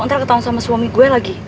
antara ketahuan sama suami gue lagi